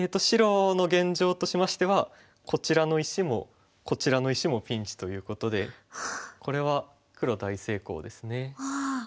白の現状としましてはこちらの石もこちらの石もピンチということでこれは黒大成功ですね。